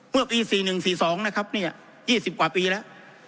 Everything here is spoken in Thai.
เมื่อปีสี่หนึ่งสี่สองนะครับเนี่ยยี่สิบกว่าปีแล้ว